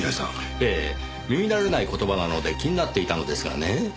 ええ耳慣れない言葉なので気になっていたのですがね。